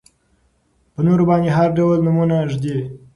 په نورو باندې هر ډول نومونه ږدي.